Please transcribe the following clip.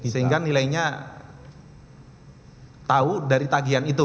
sehingga nilainya tahu dari tagian itu